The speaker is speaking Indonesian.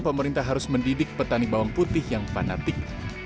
pemerintah harus mendidik petani bawang putih yang fanatik